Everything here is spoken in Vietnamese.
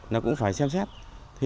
nó cũng phải xem xét